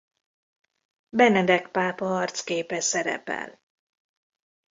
Benedek pápa arcképe szerepel.